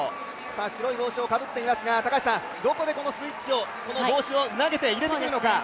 白い帽子をかぶっていますがどこでこのスイッチを、この帽子を投げてくるのか。